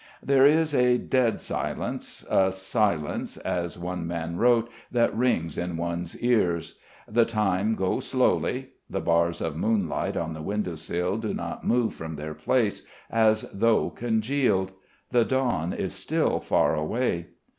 There is a dead silence, a silence, as one man wrote, that rings in one's ears. The time goes slowly. The bars of moonshine on the windowsill do not move from their place, as though congealed.... The dawn is still far away.